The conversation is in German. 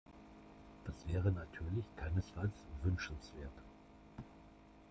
Das wäre natürlich keinesfalls wünschenswert.